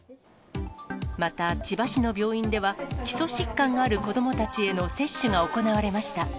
また、千葉市の病院では、基礎疾患がある子どもたちへの接種が行われました。